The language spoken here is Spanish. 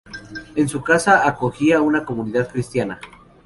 En su casa acogía una comunidad cristiana.